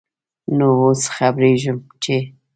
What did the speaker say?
نوو اوس خبريږم ، چې ...